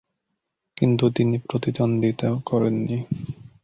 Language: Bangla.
কিন্তু, তিনি প্রতিদ্বন্দ্বিতা করেন নি।